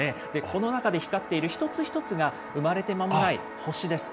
この中で光っている一つ一つが、生まれて間もない星です。